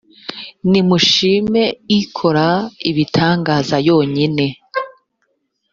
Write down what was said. nimushime ikora ibitangaza yonyine